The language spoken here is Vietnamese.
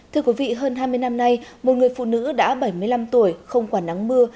thưa quý vị hơn hai mươi năm nay một người phụ nữ đã bảy mươi năm tuổi không quản nắng mưa